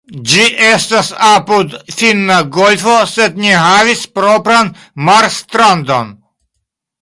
Ĝi estas apud Finna golfo sed ne havis propran marstrandon.